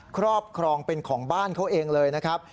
ครอบครองเป็นของบ้านเขาเองเลยนะครับ